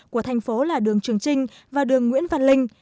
của thành phố là đường trường trinh và đường nguyễn văn linh